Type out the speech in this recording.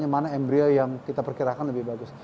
mana embryo yang kita perkirakan lebih bagus